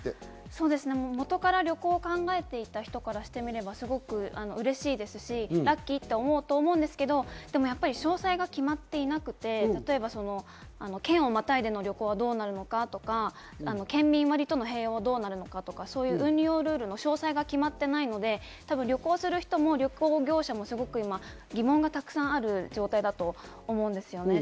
元から旅行を考えていた人からしてみればすごく嬉しいですし、ラッキーって思うと思うんですけど、でもやっぱり詳細が決まっていなくて、例えば県をまたいでの旅行はどうなるのかとか、県民割との併用はどうなるのかとか、運用ルールの詳細が決まっていないので、旅行する人も旅行業者もすごく今疑問がたくさんある状態だと思うんですね。